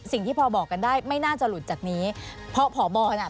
สิ่งที่พอบอกกันได้ไม่น่าจะหลุดจากนี้เพราะผอบอเนี่ย